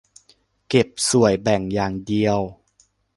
เก็บส่วยแบ่งอย่างเดียว